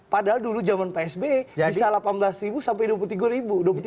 padahal dulu jaman psb bisa rp delapan belas sampai rp dua puluh tiga